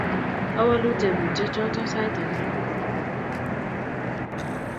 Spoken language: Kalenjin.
Awolu tyebutik choto sait ake